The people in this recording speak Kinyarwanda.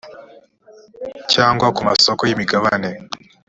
cyangwa ku masoko y imigabane